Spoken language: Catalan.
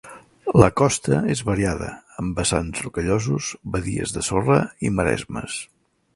La costa és variada, amb vessants rocallosos, badies de sorra i maresmes.